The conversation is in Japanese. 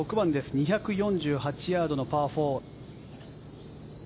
２６８ヤードのパー４。